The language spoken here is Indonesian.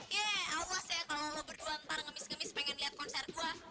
yeay awas ya kalau lo berdua ntar ngemis ngemis pengen lihat konser gue